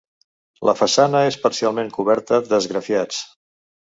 La façana és parcialment coberta d'esgrafiats.